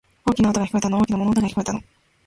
大きな音が、聞こえたの。大きな物音が、聞こえたの。